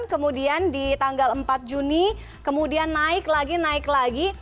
kemudian di tanggal empat juni kemudian naik lagi naik lagi